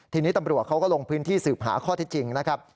ทีนี้ตำรวจเขาก็ลงพื้นที่สืบหาข้อที่จริงนะครับ